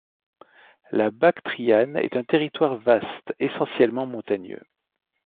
La Bactriane est un territoire vaste, essentiellement montagneux.